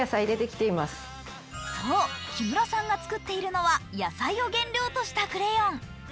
そう、木村さんが作っているのは野菜を原料としたクレヨン。